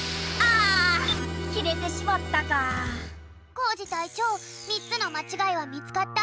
コージたいちょう３つのまちがいはみつかった？